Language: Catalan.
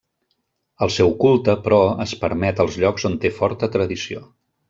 El seu culte, però, es permet als llocs on té forta tradició.